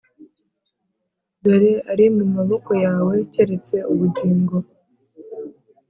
Dore ari mu maboko yawe, keretse ubugingo